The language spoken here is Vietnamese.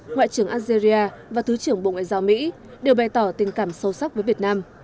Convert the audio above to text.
ngoại trưởng algeria và thứ trưởng bộ ngoại giao mỹ đều bày tỏ tình cảm sâu sắc với việt nam